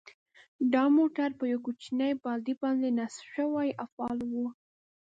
دا موټر په یوې کوچنۍ باډۍ باندې نصب شوی او فعال و.